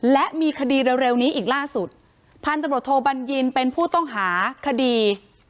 และมีคดีเร็วนี้อีกล่าสุดพันธุ์ตำรวจโทบัญญินเป็นผู้ต้องหาคดี